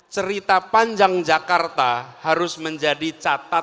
cerita panjang jakarta harus menjadi catatan